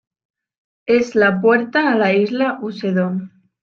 Es la puerta a la isla Usedom.